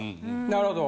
なるほど。